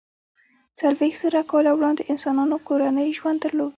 څلویښت زره کاله وړاندې انسانانو کورنی ژوند درلود.